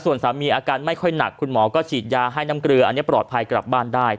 ส่วนสามีอาการไม่ค่อยหนักคุณหมอก็ฉีดยาให้น้ำเกลืออันนี้ปลอดภัยกลับบ้านได้